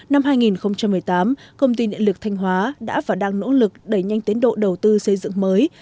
năm hai nghìn một mươi tám công ty điện lực thanh hóa đã và đang nỗ lực đẩy nhanh tiến độ đầu tư xây dựng mới